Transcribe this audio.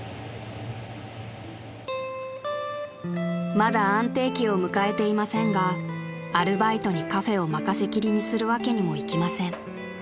［まだ安定期を迎えていませんがアルバイトにカフェを任せきりにするわけにもいきません］